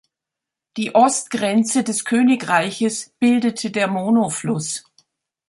Die Ostgrenze des Königreiches bildete der Mono-Fluss.